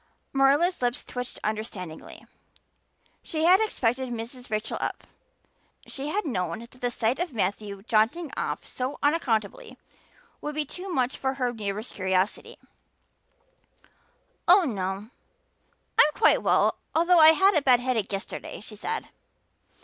Marilla's lips twitched understandingly. She had expected Mrs. Rachel up; she had known that the sight of Matthew jaunting off so unaccountably would be too much for her neighbor's curiosity. "Oh, no, I'm quite well although I had a bad headache yesterday," she said.